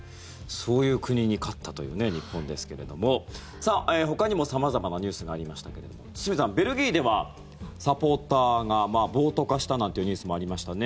そういう国に勝ったという日本ですけれどもほかにも様々なニュースがありましたけれども堤さん、ベルギーではサポーターが暴徒化したなんていうニュースもありましたね。